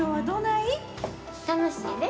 楽しいで。